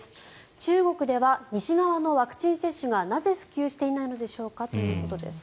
中国では西側のワクチン接種がなぜ普及していないのでしょうか？ということです。